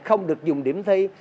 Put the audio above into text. không được dùng điểm thi